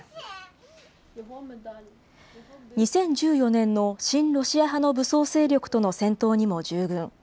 ２０１４年の親ロシア派の武装勢力との戦闘にも従軍。